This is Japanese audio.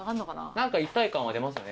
何か一体感は出ますね。